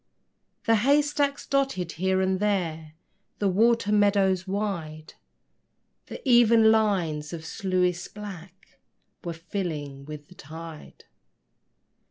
The hay stacks dotted here and there The water meadows wide: The even lines of sluices black Were filling with the tide.